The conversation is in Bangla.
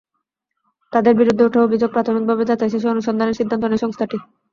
তাদের বিরুদ্ধে ওঠা অভিযোগ প্রাথমিকভাবে যাচাই শেষে অনুসন্ধানের সিদ্ধান্ত নেয় সংস্থাটি।